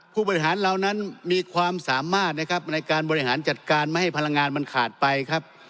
ผู้บริหารเหล่านั้นมีความสามารถนะครับในการบริหารจัดการไม่ให้พลังงานมันขาดไปครับ